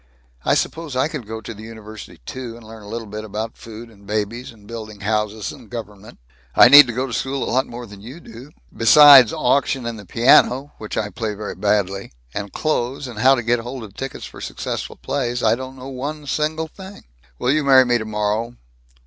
I suppose I could go to the university, too, and learn a little about food and babies and building houses and government. I need to go to school a lot more than you do. Besides auction and the piano which I play very badly and clothes and how to get hold of tickets for successful plays, I don't know one single thing." "Will you marry me, tomorrow?"